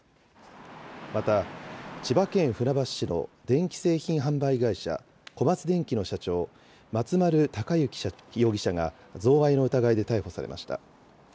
また、千葉県船橋市の電気製品販売会社、小松電器の社長、松丸隆行容疑者が、贈賄の疑いで逮捕されました。